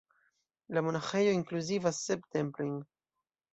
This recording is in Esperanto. La monaĥejo inkluzivas sep templojn.